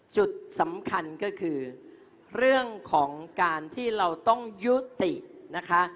จุดสำคัญก็คือเรื่องของการที่เราต้องยุตินะคะ